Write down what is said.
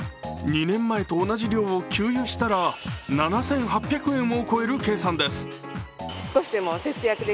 ２年前と同じ量を給油したら７８００円を超える計算です。